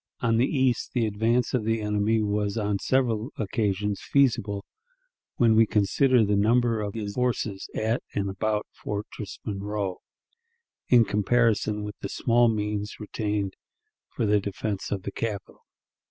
On the east, the advance of the enemy was on several occasions feasible, when we consider the number of his forces at and about Fortress Monroe, in comparison with the small means retained for the defense of the capital.